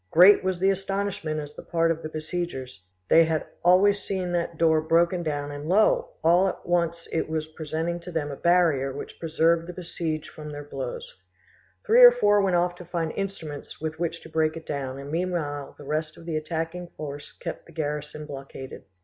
Great was the astonishment an the part of the besiegers: they had always seen that door broken down, and lo! all at once it was presenting to them a barrier which preserved the besieged from their blows. Three or four went off to find instruments with which to break it down and meanwhile the rest of the attacking farce kept the garrison blockaded.